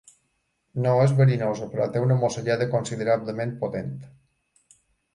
No és verinosa, però té una mossegada considerablement potent.